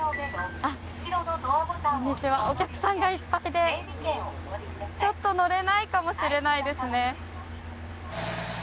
お客さんがいっぱいでちょっと乗れないかもしれないですね。